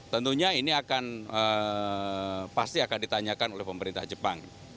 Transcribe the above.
tentunya ini akan pasti akan ditanyakan oleh pemerintah jepang